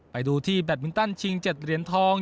ไปดูที่แบตมินตันชิง๗เหรียญทอง